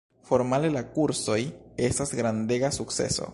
Formale, la kursoj estas grandega sukceso.